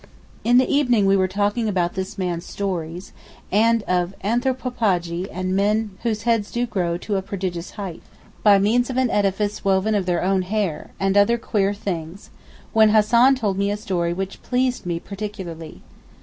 In the evening we were talking about this man's stories, and of 'anthropophagi and men whose heads do grow' to a prodigious height, by means of an edifice woven of their own hair, and other queer things, when Hassan told me a story which pleased me particularly.